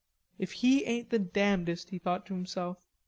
"If he ain't the damnedest," he thought to himself.